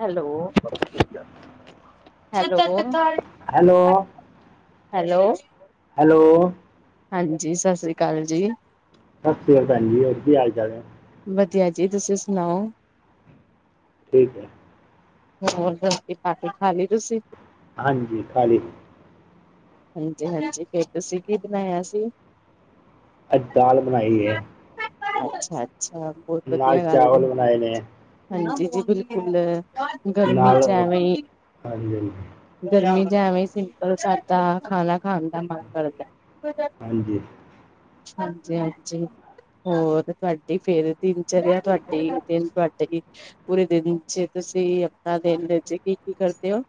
Hello -hello hello hello hello ਹਾਂਜੀ ਸਤਿ ਸ੍ਰੀ ਅਕਾਲ ਜੀ ਸਤ ਸ੍ਰੀ ਅਕਾਲ ਭੈਣ ਜੀ ਹੋਰ ਕੀ ਹਾਲ ਚਾਲ ਏ। ਵਧੀਆ ਜੀ ਤੁਸੀਂ ਸੁਨਾਓ ਠੀਕ ਹੈ ਹੋਰ ਫੇਰ ਰੋਟੀ ਖਾਲੀ ਖਾਲੀ ਲਈ ਤੁਸੀਂ ਹਾਂਜੀ ਖਾਲੀ ਹਾਂਜੀ ਹਾਂਜੀ ਫਿਰ ਤੁਸੀਂ ਕੀ ਬਨਾਇਆ ਸੀ ਅਜ ਦਾਲ ਬਣਾਈ ਏ। ਅੱਛਾ ਅੱਛਾ। ਬਹੁਤ ਨਾਲ ਵਧੀਆ ਗੱਲ ਏ। ਚਾਵਲ ਬਣਾਏ ਨੇ ਹਾਂਜੀ ਜੀ ਬਿਲਕੁਲ ਗਰਮੀ ਨਾਲ ਚ ਉਹ- ਏਵੇਂ ਈ ਹਾਂਜੀ ਹਾਂਜੀ, ਗਰਮੀ ਚ ਏਵੇਂ ਹੀ ਸਿੰਪਲ ਸਾਾਦਾ ਖਾਣਾ ਖਾਣ ਦਾ ਮਨ ਕਰਦਾ। ਹਾਂਜੀ। ਹਾਂਜੀ ਹਾਂਜੀ। ਹੋਰ ਤੁਹਾਡੀ ਫੇਰ ਦਿਨਚਰਿਆ ਤੁਹਾਡੀ ਦਿਨ ਤੁਹਾਡ ਪੂਰੇ ਦਿਨ ਚ ਤੁਸੀਂ ਆਪਣਾ ਦੇਨ ਚ ਕੀ ਕੀ ਕਰਦੇ ੳ?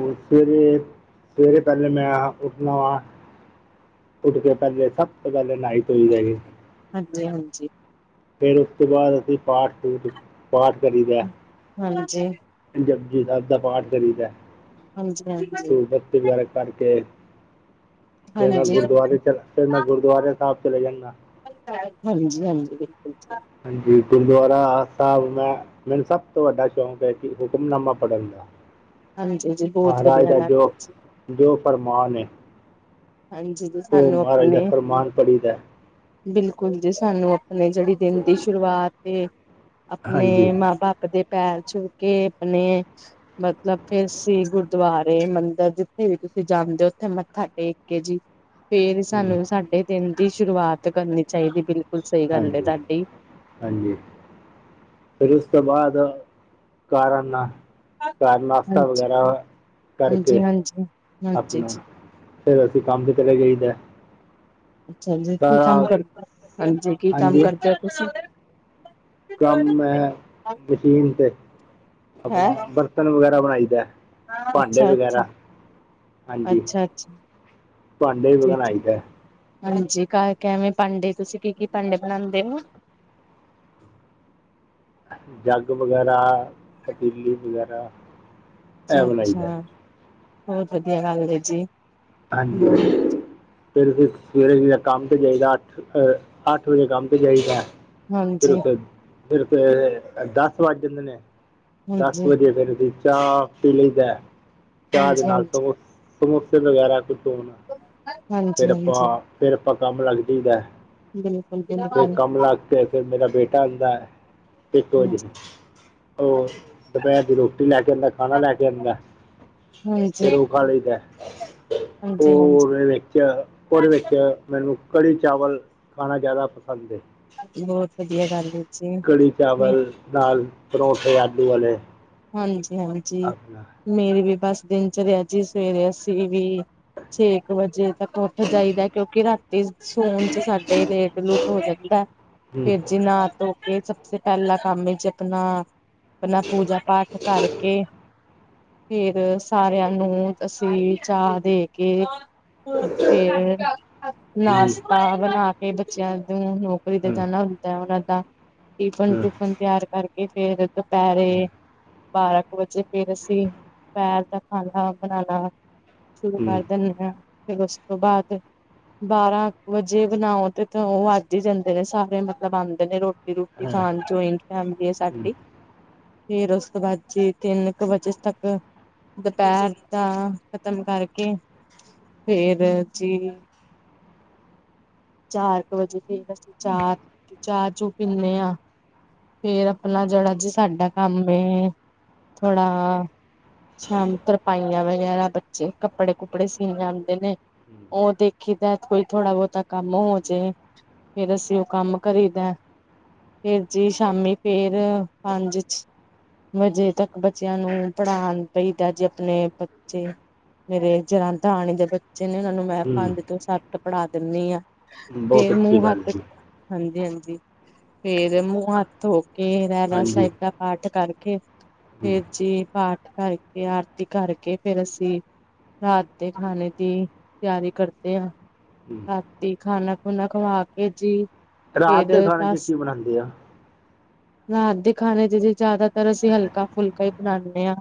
ਸਵੇਰੇ ਸਵੇਰੇ ਪਹਿਲੇ ਮੈਂ ਆਪ ਉੱਠਨਾ ਵਾ। ਉੱਠ ਕੇ ਪਹਿਲੇ ਸਭ ਤੋਂ ਪਹਿਲੇ ਨਾਈ ਧੋਈ ਲੈਣੀ। ਹਾਂਜੀ ਹਾਂਜੀ। ਫੇਰ ਉਸ ਤੋਂ ਬਾਅਦ ਅਸੀਂ ਪਾਠ ਪੁਠ ਪਾਠ ਕਰੀਦਾ। ਹਾਂਜੀ ਜਪਜੀ ਸਾਹਿਬ ਦਾ ਪਾਠ ਕਰੀਦਾ। ਹਾਂਜੀ ਹਾਂਜੀ। ਧੂਪ ਬੱਤੀ ਵਗੈਰਾ ਕਰਕੇ ਫੇਰ ਮੈਂ ਹਾਂਜੀ ਗੁਰਦੁਆਰੇ ਚ ਫੇਰ ਮੈਂ ਗੁਰਦੁਆਰੇ ਸਾਹਿਬ ਚਲੇ ਜਾਨਾਂ। ਹਾਂਜੀ ਹਾਂਜੀ। [unintelligible] ਹਾਂਜੀ ਗੁਰਦੁਆਰਾ ਆ ਸਾਹਿਬ ਮੈਂ ਮੈਨੂੰ ਸਭ ਤੋਂ ਵੱਡਾ ਸ਼ੌਕ ਹੈ ਜੀ ਹੁਕਮਨਾਮਾ ਪੜ੍ਹਨ ਦਾ। ਹਾਂਜੀ ਜੀ ਬਹੁਤ ਮਹਾਰਾਜ ਵਧੀਆ ਦਾ ਗੱਲ ਜੋ ਏ ਜੀ। ਜੋ ਫਰਮਾਨ ਏ ਹਾਂਜੀ ਜੀ ਉਹ ਸਾਨੂੰ ਮਹਾਰਾਜ ਦਾ ਆਪਣੇ ਫਰਮਾਨ ਪੜ੍ਹੀ ਦਾ ਬਿਲਕੁਲ ਜੀ ਸਾਨੂੰ ਆਪਣੇ ਜਿਹੜੀ ਦਿਨ ਦੀ ਸ਼ੁਰੂਆਤ ਏ ਹਾਂਜੀ ਅਪਨੇ ਮਾਂ ਬਾਪ ਦੇ ਪੈਰ ਛੂਹ ਕੇ ਅਪਨੇ ਮਤਲਬ ਫੇਰ ਅਸੀ ਗੁਰਦੁਆਰੇ, ਮੰਦਰ ਜਿੱਥੇ ਵੀ ਤੁਸੀਂ ਜਾਂਦੇ ਹੋ ਉੱਥੇ ਮੱਥਾ ਟੇਕ ਕੇ ਜੀ ਫੇਰ ਹਮ, ਸਾਨੂੰ ਸਾਢੇ ਦਿੰਨ ਦੀ ਸ਼ੁਰੂਆਤ ਕਰਨੀ ਚਾਹੀਦੀ ਬਿਲ ਬਿਲਕੁਲ ਸਹੀ ਗੱਲ ਏ ਹਾਂਜੀ ਤਹਾਡੀ। ਹਾਂਜੀ ਫੇਰ ਉਸ ਤੋਂ ਬਾਅਦ ਘਰ ਆਨਾਂ। ਘਰ ਨਾਸ਼ਤਾ ਹਾਂਜੀ ਵਗੈਰਾ ਕਰਕੇ ਹਾਂਜੀ ਹਾਂਜੀ ਹਾਂਜੀ ਜੀ ਅਪਨਾ ਫੇਰ ਅਸੀਂ ਕੰਮ ਤੇ ਚਲੇ ਜਾਈਦਾ। ਅੱਛਾਾਂ ਜੀ ਕੀ ਸਾਰਾ ਕੰਮ ਕਰਦੇ ਹਾਂਜੀ ਕੀ ਕੰਮ ਹਾਂਜੀ ਕਰਦੇ ੳ ਤੁਸੀਂ? ਕੰਮ ਹੈ ਮਸ਼ੀਨ ਤੇ ਹੈਂ ਅਪਨਾ ਬਰਤਨ ਵਗੈਰਾ ਬਣਾਈ ਦਾ। ਅੱਛਾ ਅੱਛਾ। ਹਾਂਜੀ ਅੱਛਾ ਅੱਛਾ ਭਾਂਡੇ ਵੀ ਜੀ ਅੱਛਾ ਬਣਾਈਦਾ ਹਾਂਜੀ ਕ ਕੇਵੇਂ ਭਾਂਡੇ ਤੁਸੀਂ ਕੀ ਕੀ ਭਾਂਡੇ ਬਣਾਦੇ ੳ? ਜੱਗ ਵਗੈਰਾ, ਪਤੀਲੀ ਵਗੈਰਾ। ਇਹ ਅੱਛਾ ਬਣਾਈਦਾ ਹੈ। ਅੱਛਾ। ਬਹੁਤ ਵਧੀਆ ਗੱਲ ਏ ਜੀ। ਹਾਂਜੀ। ਬਹੁਤ ਫਿਰ ਸਵੇਰੇ ਜ ਕੰਮ ਤੇ ਜਾਈਦਾ। ਅੱਠ, ਅੱਠ ਵਜੇ ਕੰਮ ਤੇ ਜਾਈਦਾ। ਫਿਰ ਹਾਂਜੀ ਉੱਥੇ ਫਿਰ ਉੱਥੇ ਦਸ ਵੱਜ ਜਾਂਦੇ ਨੇ। ਦਸ ਹਾਂਜੀ ਵਜੇ ਫੇਰ ਅਸੀ ਚਾਹ ਪੀ ਲਈ ਦਾ ਚਾਹ ਦੇ ਹਾਂਜੀ ਨਾਲ ਹਾਂਜੀ ਟੋਸਟ ਸਮੋਸੇ ਵਗੈਰਾ ਕੁਝ ਹੋਣ ਹਾਂਜੀ ਫਿਰ ਆਪਾਂ ਹਾਂਜੀ ਫੇਰ ਆਪਾਂ ਕੰਮ ਲੱਗ ਜਾਇਦੈ। ਬਿਲਕੁਲ ਫਿਰ ਬਿਲਕੁਲ ਕੰਮ ਲੱਗ ਕੇ ਫਿਰ ਮੇਰਾ ਬੇਟਾ ਆਉਂਦਾ ਹੈ। ਇੱਕ ਹਾਂਜੀ ਵਜੇ ਹਾਂਜੀ ਉਹ ਦੁਪਹਿਰ ਦੀ ਰੋਟੀ ਲੈ ਕੇ। ਖਾਣਾ ਲੈ ਕੇ ਆਉਂਦਾ ਹਾਂਜੀ ਫਿਰ ਉਹ ਖਾ ਲਈਦਾ ਉਹ ਹਾਂਜੀ ਫੇਰ। ਉਹਦੇ ਵਿੱਚ ਮੈਨੂੰ ਕੜੀ ਚਾਵਲ ਖਾਣਾ ਜ਼ਿਆਦਾ ਪਸੰਦ ਐ। ਬਹੁਤ ਵਧੀਆ ਗੱਲ ਹੈ ਜੀ ਕੜੀ ਮੈਂ ਚਾਵਲ ਨਾਲ ਪਰੌਂਠੇ ਆਲੂ ਵਾਲੇ। ਹਾਂਜੀ, ਹਾਂਜੀ ਆਪਣਾ ਮੇਰੀ ਵੀ ਬਸ ਦਿਨ ਚਰਿਆ ਜੀ ਸਵੇਰੇ ਅਸੀਂ ਵੀ ਛੇ ਇੱਕ ਵਜੇ ਤੱਕ ਉੱਠ ਜਾਈਦਾ ਕਿਉਂਕਿ ਰਾਤੀ ਸੋਣ ਚ ਸਾਡੇ ਲੇਟ ਲੂਟ। ਹੋ ਜਾਂਦੈ। ਠੀਕ ਏ। ਧੋ ਕੇ ਸਭ ਸੇ ਪਹਿਲਾ ਕੰਮ ਵਿੱਚ ਆਪਣਾ ਆਪਣਾ ਪੂਜਾ ਪਾਠ ਕਰਕੇ। ਫਿਰ ਸਾਰਿਆਂ ਨੂੰ ਅਸੀਂ ਚਾਹ ਦੇ ਕੇ। ਤੇ ਹੂੰ ਨਾਸ਼ਤਾ ਬਣਾ ਕੇ ਬੱਚਿਆਂ ਨੂੰ। ਥੋੜੀ ਦੇਰ ਹੂੰ ਜਾਣਾ ਹੁੰਦਾ ਉਹਨਾਂ ਦਾ ਟਿਫਨ ਹੂੰ, ਟੂਫਨ ਤਿਆਰ ਕਰਕੇ ਫੇਰ ਦੁਪਹਿਰੇ। ਬਾਰਾਂ ਕੁ ਵਜੇ ਫੇਰ ਅਸੀਂ ਦੁਪਹਿਰ ਦਾ ਖਾਣਾ ਬਣਾਉਣ। ਸ਼ੁਰੂ ਹੂੰ ਕਰ ਦਿੰਦੇ ਹਾਂ ਫਿਰ ਉਸ ਤੋਂ ਬਾਅਦ। ਬਾਰਾਂ ਕੂ ਵਜੇ ਬਣਾਓ ਤੇ ਉਹ ਵੱਜ ਹੀ ਜਾਂਦੇ ਨੇ ਸਾਰੇ ਮਤਲਬ ਆਉਂਦੇ ਨੇ ਰੋਟੀ। ਰੋਟੀ ਹਾਂ, ਖਾਣ ਜੁਆਇੰਟ ਫੈਮਿਲੀ ਹੈ ਹੂੰ, ਸਾਡੀ। ਫੇਰ ਉਸ ਤੋਂ ਬਾਅਦ ਜੀ ਤਿੰਨ ਕੁ ਵਜੇ ਤੱਕ। ਦੁਪਹਿਰ ਤਾਂ ਖਤਮ ਕਰਕੇ ਫੇਰ ਜੀ। ਚਾਰ ਕੁ ਵਜੇ ਫਰ ਅਸੀਂ ਚਾਹ ਚਾਹ ਚੂ ਪੀਂਦੇ ਹਾਂ। ਫੇਰ ਆਪਣਾ ਜਿਹੜਾ ਜੀ ਸਾਡਾ ਕੰਮ ਥੋੜਾ। ਸ਼ਾਮ ਤਰਪਾਈਆਂ ਵਗੈਰਾ ਬੱਚੇ ਕੱਪੜੇ ਕੁਪੜੇ ਸੀ ਆਦੇ ਨੇ। ਉਹ ਦੇਖੀਦਾ ਕੋਈ ਥੋੜਾ ਬਹੁਤਾ। ਕੰਮ ਹੋ ਜੇ ਫੇਰ ਅਸੀਂ ਉਹ ਕੰਮ ਕਰੀ ਦਾ। ਫਿਰ ਜੀ ਸ਼ਾਮੀ ਫੇਰ ਪੰਜ। ਵਜੇ ਤੱਕ ਬੱਚਿਆਂ ਨੂੰ ਪੜ੍ਹਾਉਣ ਦਾ ਈ ਜੀ ਆਪਣੇ ਬੱਚੇ। ਮੇਰੇ ਜਿਹੜੇ ਦਰਾਣੀ ਦੇ ਬੱਚੇ ਨੇ ਉਹਨਾਂ ਨੂੰ। ਮੈਂ ਪੰਜ ਹੂੰ ਤੋਂ ਸੱਤ ਪੜ੍ਹਾ ਦਿੰਦੀ ਹਾਂ ਬਹੁਤ ਫੇਰ ਅੱਛੀ ਮੂੰਹ ਗੱਲ ਹੈ ਹੱਥ। ਜੀ ਹਾਂਜੀ, ਹਾਂਜੀ ਫੇਰ ਮੂੰਹ ਹੱਥ ਧੋ ਕੇ ਰਹਿਰਾਸ ਹਾਂਜੀ ਸਾਹਿਬ ਦਾ। ਪਾਠ ਕਰਕੇ ਹੂੰ, ਫਿਰ ਜੀ ਪਾਠ ਕਰਕੇ ਆਰਤੀ ਕਰਕੇ ਫਿਰ ਅਸੀਂ। ਰਾਤ ਦੇ ਖਾਣੇ ਦੀ ਤਿਆਰੀ ਕਰਦੇ ਹਾਂ। ਹੂੰ। ਰਾਤੀ ਖਾਣਾ ਖੁਣਾ ਖਵਾ ਕੇ ਜੀ ਰਾਤ ਫੇਰ ਦੇ ਖਾਣੇ 'ਚ ਦੱਸ। ਕੀ ਬਣਾਉਂਦੇ ਆ ਰਾਤ ਦੇ ਖਾਣੇ ਚ ਜ ਜ਼ਿਆਦਾਤਰ ਅਸੀਂ ਹਲਕਾ ਫੁਲਕਾ ਹੀ ਬਣਾਉਦੇ ਹਾਂ।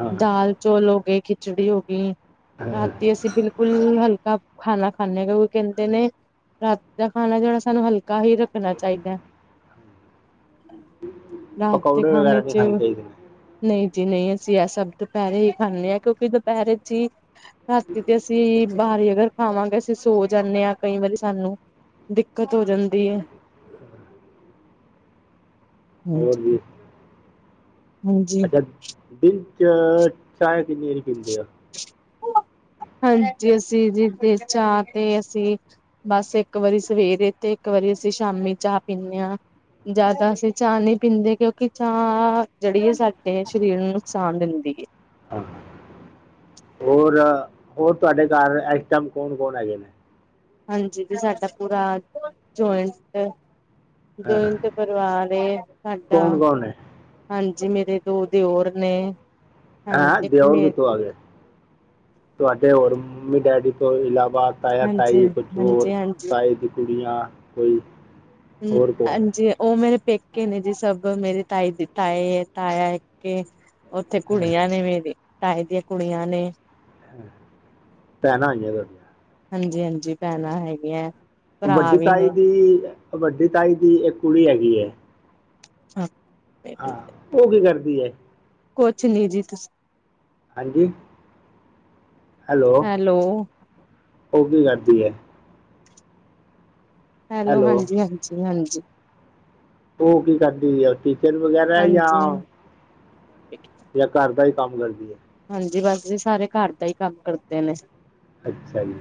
ਹਾਂ ਦਾਲ ਚੌਲ ਹੋ ਗਏ ਖਿਚੜੀ ਹੋ ਗਈ। ਹਾਂ, ਰਾਤੀ ਅਸੀਂ ਬਿਲਕੁਲ ਹਲਕਾ ਖਾਣਾ ਖਾਂਦੇ ਹਾਂ। ਉਹ ਕਹਿੰਦੇ ਨੇ ਰਾਤ ਦਾ ਖਾਣਾ ਜਿਹੜਾ ਸਾਨੂੰ ਹਲਕਾ ਹੀ ਰੱਖਣਾ ਚਾਹੀਦਾ। ਰਾਤ ਦੇ ਪਕੌੜੇ ਵਗੈਰਾ ਨਹੀਂ ਚ ਖਾਣੇ ਚਾਹੀਦੇ ਨੇ। ਨਹੀਂ ਜੀ ਨਹੀਂ ਅਸੀਂ ਇਹ ਸਭ ਦੁਪਹਿਰੇ ਹੀ ਖਾਂਦੇ ਹਾਂ। ਕਿਉਂਕਿ ਦੁਪਹਿਰੇ ਜੀ। ਰਾਤੀ ਤੇ ਅਸੀਂ ਬਾਹਰ ਅਗਰ ਖਾਵਾਂਗੇ। ਸੋ ਜਾਂਦੇ ਹਾਂ ਕਈ ਵਾਰੀ ਸਾਨੂੰ ਦਿੱਕਤ ਹੋ ਜਾਂਦੀ ਹੈ। ਹਾਂ ਜੀ। ਅੱਛਾ ਦਿਨ ਚ ਚਾਹ ਕਿੰਨੀ ਵਾਰੀ ਪੀਂਦੇ ਆ? ਹਾਂਜੀ ਅਸੀਂ ਜੀਚਾਹ ਤੇ ਅਸੀਂ। ਬਸ ਇੱਕ ਵਾਰੀ ਸਵੇਰੇ ਤੇ ਇੱਕ ਵਾਰੀ ਅਸੀਂ ਸ਼ਾਮੀ ਚਾਹ ਪੀਂਦੇ ਹਾਂ। ਜ਼ਿਆਦਾ ਅਸੀਂ ਚਾਹ ਨਹੀਂ ਪੀਂਦੇ ਕਿਉਂਕਿ ਚਾਹ ਜਿਹੜੀ ਹੈ ਸਾਡੇ ਸਰੀਰ ਨੂੰ ਨੁਕਸਾਨ ਦਿੰਦੀ ਹੈ। ਹਾਂ ਹੋਰ ਹੋਰ ਤੁਹਾਡੇ ਘਰ ਇਸ ਟਾਈਮ ਕੌਣ ਕੌਣ ਹੈਗੇ ਨੇ। ਹਾਂਜੀ ਤੇ ਸਾਡਾ ਪੂਰਾ ਜਇੰਟ। ਹਾਂ ਜੋਇਟ ਪਰਿਵਾਰ ਏ ਕੌਣ ਸਾਡਾ। ਕੌਣ ਹੈ ਹਾਂਜੀ ਮੇਰੇ ਦੋ ਦਿਓਰ ਨੇ। ਹਾਂ ਹੈਂ ਇੱਕ ਦਿਓਰ ਮੇ ਕਿਥੋਂ ਆ ਗਏ ਤੁਹਾਡੇ ਹੋਰ ਮੰਮੀ ਡੈਡੀ ਤੋਂ ਇਲਾਵਾ ਤਾਇਆ ਹਾਂਜੀ ਤਾਈ ਕੁਛ ਹੋਰ ਹਾਂਜੀ ਹਾਂਜੀ ਤਾਏ ਦੀ ਕੁੜੀਆਂ ਕੋਈ ਹਮ ਹੋਰ ਕੌਣ ਹੈ ਹਾਂਜੀ ਉਹ ਮੇਰੇ ਪੇਕੇ ਇੱਕ ਨੇ ਜੀ ਸਭ ਮੇਰੀ ਤਾਈ ਤਾਏ ਤਾਇਆ ਇੱਕ ਉੱਥੇ ਕੁੜੀਆਂ ਨੇ ਮੇਰੀ ਤਾਏ ਦੀਆਂ ਕੁੜੀਆਂ ਨੇ ਭੈਣਾ ਹੋਈ ਆ ਹਾਂਜੀ ਹਾਂਜੀ ਭੈਣਾਂ ਹੈਗੀਆਂ ਭਰਾ ਵੱਡੀ ਵੀ ਤਾਈ ਨੇ ਦੀ ਵੱਡੀ ਤਾਈ ਦੀ ਏਕ ਕੁੜੀ ਹੈਗੀ ਹੈ [unintelligible] ਹਾਂ ਉਹ ਕੀ ਕਰਦੀ ਹੈ ਕੁਛ ਨੀ ਜੀ ਤੁਸੀ। ਹਾਂਜੀ ਹੈਲੋ ਉਹ ਕੀ ਕਰਦੀ ਏ। ਹੈਲੋ ਹਾਂਜੀ ਹਾਂਜੀ ਹਾਂਜੀ। ਉਹ ਕੀ ਕਰਦੀ [unintelligible] ਹੈ ਹਾਂਜੀ। ਜਾਂ ਘਰ ਦਾ ਹੀ ਕੰਮ ਕਰਦੀ ਏ। ਹਾਂਜੀ ਬਸ ਜੀ ਸਾਰੇ ਘਰ ਦਾ ਹੀ ਕੰਮ ਕਰਦੇ ਨੇ। ਅੱਛਾ ਜੀ।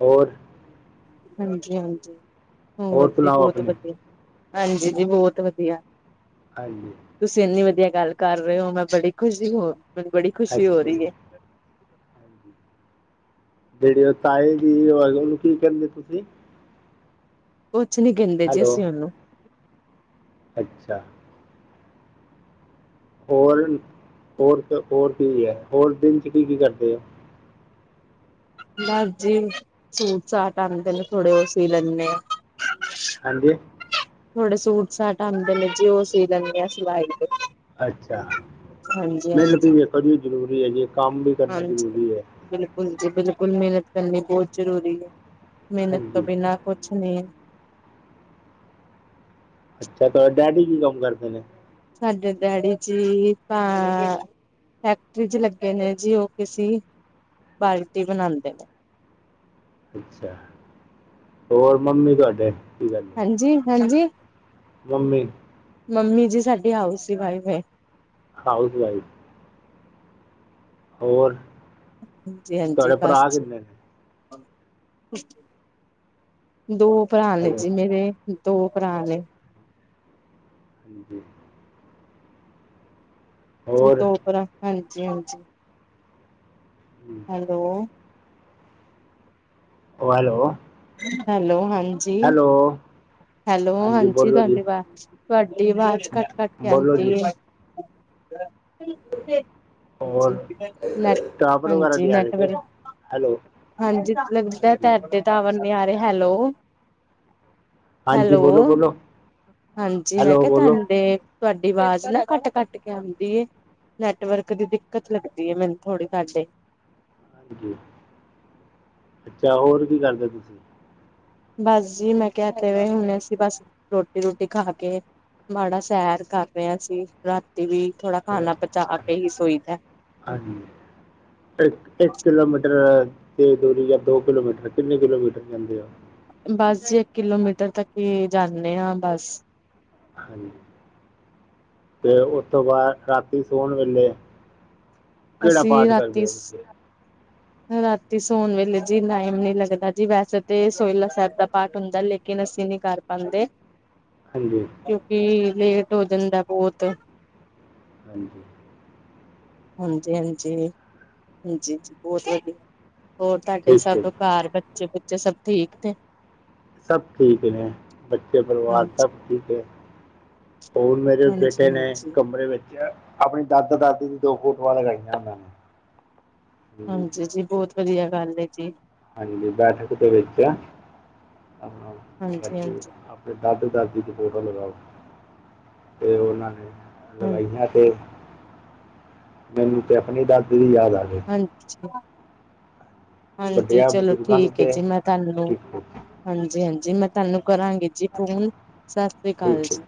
ਹੋਰ ਹਾਂਜੀ ਹਾਂਜੀ ਹੋਰ ਜੀ ਸੁਣਾਓ ਬਹੁਤ ਆਪਣੇ ਵਧੀਆ ਹਾਂਜੀ ਜੀ ਬਹੁਤ ਵਧੀਆ। ਹਾਂਜੀ। ਤੁਸੀਂ ਇੰਨੀ ਵਧੀਆ ਗੱਲ ਕਰ ਰਹੇ ਹੋ ਮੈਂ ਬੜੀ ਖੁਸ਼ੀ ਹੋ ਮੈਨੂੰ ਬੜੀ ਖੁਸ਼ੀ ਹੋ ਅੱਛਾ ਜੀ ਰਹੀ ਏ। ਜਿਹੜੀ ਉਹ ਤਾਏ ਦੀ ਉਹਨੂੰ ਕੀ ਕਹਿੰਦੇ ਓ ਤੁਸੀਂ। ਕੁਛ ਨੀ ਕਹਿੰਦੇ ਜੀ ਹੈਲੋ ਅਸੀਂ ਉਹਨੂੰ। ਅੱਛਾ। ਹੋਰ ਹੋਰ ਹੋਰ ਕੀ ਹੈ ਹੋਰ ਦਿਨ ਚ ਕੀ ਕੀ ਕਰਦੇ ਹੋ। ਬਸ ਜੀ ਸੂਟ ਸਾਟ ਆਂਦੇ ਨੇ ਥੋੜੇ ਉਹ ਸੀ ਲੈਂਨੇ ਆ। ਹਾਂਜੀ ਥੋੜੇ ਸੂਟ ਸਾਟ ਆਂਦੇ ਨੇ ਜੀ ਉਹ ਸੀ ਲੈਂਦੇ ਆ ਸਵਾਈ ਦੇ ਅੱਛਾ ਹਾਂਜੀ ਮੈਨੂੰ ਕੀ ਹਾਂਜੀ ਜੀ ਜ਼ਰੂਰੀ ਹੈ ਜੀ ਕੰਮ ਵੀ ਕਰਨਾ ਹਾਂਜੀ ਜ਼ਰੂਰੀ ਹੈ ਬਿਲਕੁਲ ਜੀ ਬਿਲਕੁਲ ਮਿਹਨਤ ਕਰਨੀ ਬਹੁਤ ਜ਼ਰੂਰੀ ਹੈ ਮਿਹਨਤ ਤੋਂ ਹਾਂਜੀ ਬਿਨਾ ਕੁਛ ਨਹੀਂ ਹੈ ਅੱਛਾ ਤੁਹਾਡੇ ਡੈਡੀ ਕੀ ਕੰਮ ਕਰਦੇ ਨੇ। ਸਾਡੇ ਡੈਡੀ ਜੀ ਤਾਂ। ਫੈਕਟਰੀ ਚ ਲੱਗੇ ਨੇ ਜੀ ਓਹ ਕਿਸੀ ਬਾਲਟੀ ਬਣਾਂਦੇ ਨੇ। ਅੱਛਾ ਹੋਰ ਮੰਮੀ ਤੁਹਾਡੇ। ਕੀ ਗੱਲ ਹੈ ਹਾਂਜੀ ਹਾਂਜੀ। ਮੰਮੀ। ਮੰਮੀ ਜੀ ਸਾਡੀ ਹਾਊਸ ਹੀ ਵਾਈਫ ਨੇ। House wife. ਹੋਰ ਹਾਂਜੀ ਹਾਂਜੀ ਤੁਹਾਡੇ ਭਰਾ ਬਸ ਜੀ ਕਿੰਨੇ ਨੇ ਦੋ ਭਰਾ ਨੇ ਹੈਲੋ ਜੀ ਮੇਰੇ ਦੋ ਭਰਾ ਨੇ। ਹਾਂਜੀ। [inaudible] ਹੋਰ ਦੋ ਭਰਾ ਹਾਂਜੀ ਹਾਂਜੀ। ਹਮ, ਹੈਲੋ। ਹੈਲੋ। ਹੈਲੋ ਹਾਂਜੀ। ਹੈਲੋ। ਹੈਲੋ ਹਾਂਜੀ ਬੋਲੋ ਜੀ ਤੁਹਾਡੀ ਵਾਜ ਤੁਹਾਡੀ ਆਵਾਜ਼ ਘੱਟ ਘੱਟ ਕੇ ਬੋਲੋ ਆਂਦੀ ਜੀ ਏ। ਔਰ ਨੈਟ ਟਾਵਰ ਵਗੈਰਾ ਹਾਂਜੀ ਨਹੀਂ ਆ ਰਹੇ ਨੈਟ ਕਿ ਵਰਕ। ਹੈਲੋ ਹਾਂਜੀ ਲਗਦਾ ਹਾਂਜੀ ਤੁਹਾਡੇ ਟਾਵਰ ਨਹੀਂ ਆ ਰਹੇ ਹੈਲੋ। ਹਾਂਜੀ ਹੈਲੋ ਬੋਲੋ ਬੋਲੋ ਹਾਂਜੀ ਮੈਂ ਹੈਲੋ ਕਿਹਾ ਬੋਲੋ ਤੁਹਾਨੂੰ ਡੇਕ। ਤੁਹਾਡੀ ਆਵਾਜ਼ ਨਾ ਕੱਟ ਕੱਟ ਕੇ ਆਉਂਦੀ। ਨੈਟਵਰਕ ਦੀ ਦਿੱਕਤ ਲੱਗਦੀ ਹੈ ਮੈਨੂੰ ਥੋੜ੍ਹੀ ਤੁਹਾਡੇ। ਹਾਂਜੀ ਅੱਛਾ ਹੋਰ ਕੀ ਕਰਦੇ ਤੁਸੀਂ। ਬਸ ਜੀ ਮੈਂ ਕਿਹਾ ਕਿਵੇਂ ਹੋਣੇ ਸੀ ਬਸ। ਰੋਟੀ ਰੋਟੀ ਖਾ ਕੇ ਮਾੜਾ ਸੈਰ ਕਰ ਰਿਹਾ ਸੀ। ਰਾਤੀ ਵੀ ਥੋੜਾ ਅ ਖਾਣਾ ਪਚਾ ਕੇ ਹੀ ਸੋਈ ਦਾ। ਹਾਂਜੀ। ਇੱਕ ਇੱਕ ਕਿਲੋਮੀਟਰ ਤੇ ਦੂਰੀ ਜਾਂ ਦੋ ਕਿਲੋਮੀਟਰ ਕਿੰਨੇ ਕਿਲੋਮੀਟਰ ਜਾਂਦੇ ਆ। ਬਸ ਜੀ ਇੱਕ ਕਿਲੋਮੀਟਰ ਤੱਕ ਹੀ ਜਾਂਦੇ ਹਾਂ ਬਸ। ਹਾਂਜੀ, ਤੇ ਉਸਤੋਂ ਬਾਅਦ ਰਾਤੀ ਸੋਣ ਵੇਲੇ ਕੇੜਾ ਅਸੀਂ ਪਾਠ ਰਾਤੀ ਕਰਦੇ ਓ ਤੁਸੀ? ਰਾਤੀ ਸੋਣ ਵੇਲੇ ਜੀ ਨਾਈਮ ਨੀ ਲੱਗਦਾ ਜੀ, ਵੈਸੇ ਤੇ ਸੋਏਲਾ ਸਾਹੇਬ ਦਾ ਪਾਠ ਹੁੰਦਾ, ਲੇਕਿਨ ਅਸੀਂ ਨੀ ਕਾਰ ਆਂਦੇ। ਹਾਂਜੀ। ਕਯੋਂਕਿ, ਲੇਟ ਓ ਜਂਦੈ ਬੋਤ। ਹਾਂਜੀ। ਹਾਂਜੀ-ਹਾਂਜੀ, ਹਾਂਜੀ ਜੀ ਬੌਹਤ ਵਧੀਆ, ਹੋਰ ਤਾਡੇ ਠੀਕ ਹੈ ਜੀ ਸਭ ਘਾੱਰ ਬੱਚੇ-ਬੁੱਚੇ ਸਬ ਠੀਕ ਨੇ? ਸਭ ਠੀਕ ਨੇ, ਬੱਚੇ ਪਰਿਵਾਰ ਹਾਂਜੀ ਸਭ ਠੀਕ ਏ। ਹੁਣ ਮੇਰੇ ਬੇਟੇ ਹਾਂਜੀ ਨੇ ਹਾਂਜੀ ਕਮਰੇ ਵਿੱ ਆਪਣੀ ਦਾਦਾ ਦਾਦੀ ਦੀ ਦੋ ਫੋਟੋਆਂ ਲਗਾਈਆਂ ਉਹਨਾਂ ਨੇ। ਹਾਂਜੀ ਜੀ ਬੋਤ ਵਦੀਆ ਗਾੱਲ ਏ ਜੀ। ਹਾਂਜੀ ਬੈਠਕ ਦੇ ਵਿੱਚ ਐ, ਅਪਨਾ ਹਾਂਜੀ ਹਾਂਜੀ [unintelligible] ਦਾਦੇ-ਦਾਦੀ ਦੀ ਫੋਟੋ ਲਗਾਓ, ਤੇ ਓਨਾਂ ਨੇ ਹਾਂਜੀ ਲਗਾਈ ਹੈ ਤੇ, ਮੈਨੂੰ ਤੇ ਅਪਨੀ ਦਾਦੀ ਦੀ ਯਾਦ ਆ ਗਈ। ਹਾਂਜੀ ਹਾਂਜੀ ਵੱਡਿਆਂ ਚਲੋ ਬਜ਼ੁਰਗਾਂ ਨੂੰ ਠੀਕ ਹੈ ਤੇ ਜੀ ਮੈਂ ਤੁਹਾਨੂੰ। ਠੀਕ ਹੈ ਹਾਂਜੀ ਹਾਂਜੀ ਮੈਂ ਤੁਹਾਨੂੰ ਕਰਾਂਗੀ ਜੀ ਫੋਨ ਸਤਿ ਸ੍ਰੀ ਅਕਾਲ ਠੀਕ ਹੈ ਜੀ।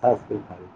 ਸਤਿ ਸ਼੍ਰੀ ਅਕਾਲ ਜੀ।